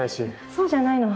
そうじゃないの。